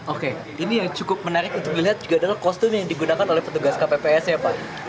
oke ini yang cukup menarik untuk dilihat juga adalah kostum yang digunakan oleh petugas kpps ya pak